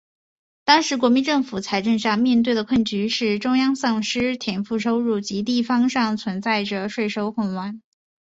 当时国民政府财政上面对的困局是中央丧失田赋收入及地方上存在着税收混乱。